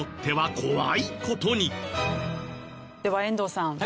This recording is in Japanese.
では遠藤さん